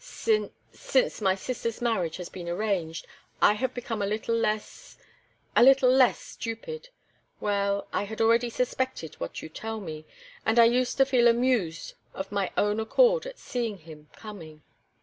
Since since my sister's marriage has been arranged, I have become a little less a little less stupid! Well, I had already suspected what you tell me and I used to feel amused of my own accord at seeing him coming."